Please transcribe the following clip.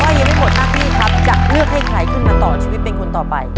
คุณฮ่ายังไม่หมดนางพี่ครับจากเลือกให้ใครขึ้นมาต่อชีวิตเพียงคนต่อไป